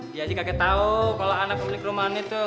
jadi kakek tau kalo anak punya rumah ini tuh